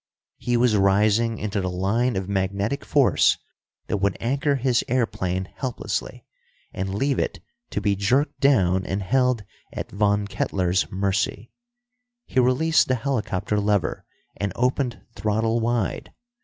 He was rising into the line of magnetic force that would anchor his airplane helplessly, and leave it to be jerked down and held at Von Kettler's mercy. He released the helicopter lever and opened throttle wide.